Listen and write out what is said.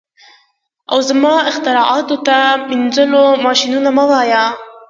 او زما اختراعاتو ته مینځلو ماشینونه مه وایه